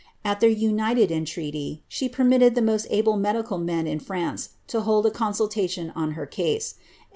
At their united entreaty, she permitted the most able medical men in France to hold a consultation on her case; and M.